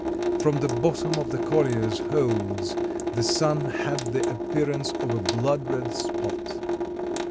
From the bottom of the colliers' holds the sun had the appearance of a blood red spot.